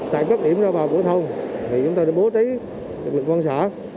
tại cấp điểm ra vào khu dân cư chúng ta đã bố trí lực lượng quân xã